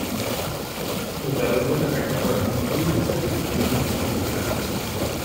Su salud de repente colapsó en un día, falleciendo esa misma tarde.